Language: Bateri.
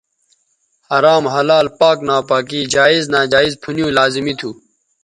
حرام حلال پاک ناپاکی جائز ناجائزپُھنیوں لازمی تھو